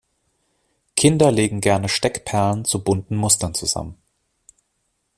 Kinder legen gerne Steckperlen zu bunten Mustern zusammen.